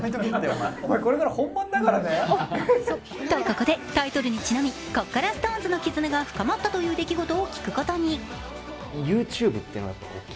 ここでタイトルにちなみ「こっから」ＳｉｘＴＯＮＥＳの絆が深まったという出来事を聞くことに。